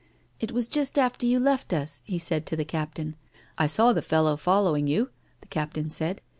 " It was just after you left us," he said to the Captain. " I saw the fellow following you," the Captain said.